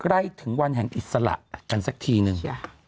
ใกล้ถึงวันแห่งอิสระกันสักทีนึง